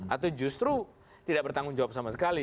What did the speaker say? atau justru tidak bertanggung jawab sama sekali